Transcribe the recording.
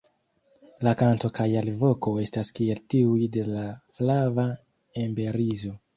La kanto kaj alvoko estas kiel tiuj de la Flava emberizo.